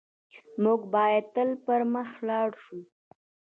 موږ بايد تل پر مخ لاړ شو.